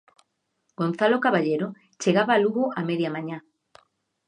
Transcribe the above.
Gonzalo Caballero chegaba a Lugo a media mañá.